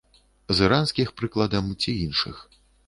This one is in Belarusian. З іранскіх, прыкладам ці іншых.